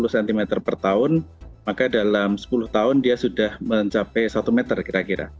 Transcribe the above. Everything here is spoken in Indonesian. sepuluh cm per tahun maka dalam sepuluh tahun dia sudah mencapai satu meter kira kira